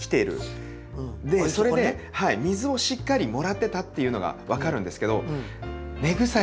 でそれね水をしっかりもらってたっていうのが分かるんですけど。